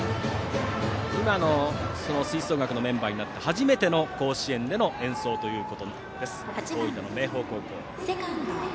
今の吹奏楽のメンバーになって初めての甲子園での演奏ということです大分の明豊高校。